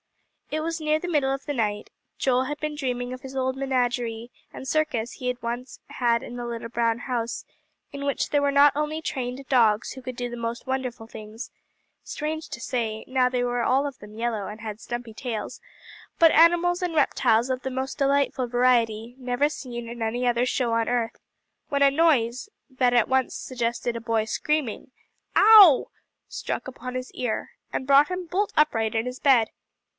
It was near the middle of the night. Joel had been dreaming of his old menagerie and circus he had once in the little brown house, in which there were not only trained dogs who could do the most wonderful things, strange to say, now they were all of them yellow, and had stumpy tails, but animals and reptiles of the most delightful variety, never seen in any other show on earth; when a noise, that at once suggested a boy screaming "Ow!" struck upon his ear, and brought him bolt upright in his bed.